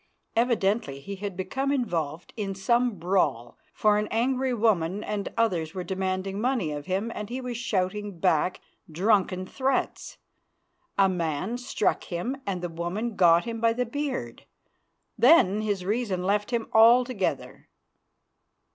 Evidently he had become involved in some brawl, for an angry woman and others were demanding money of him and he was shouting back drunken threats. A man struck him and the woman got him by the beard. Then his reason left him altogether.